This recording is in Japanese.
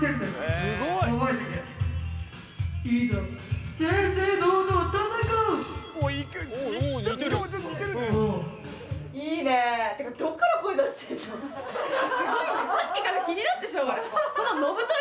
すごいねさっきから気になってしょうがない！